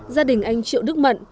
gia đình anh triệu đức mận